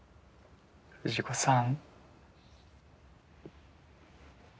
藤子さん。